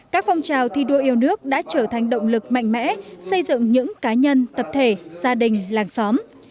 các phong trào thi đua yêu nước đã trở thành động lực mạnh mẽ xây dựng những cá nhân tập thể gia đình làng xóm